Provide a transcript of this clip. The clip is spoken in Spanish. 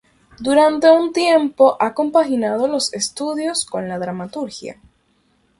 Durante un tiempo ha compaginado los estudios con la dramaturgia.